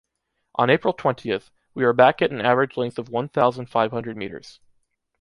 On April twentieth, we were back at an average length of one thousand five hundred meters.